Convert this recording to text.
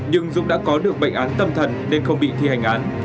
nhưng dũng đã có được bệnh án tâm thần nên không bị thi hành án